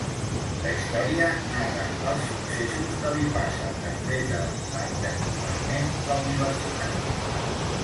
La història narra els successos que li passen després d'abandonar temporalment la Universitat.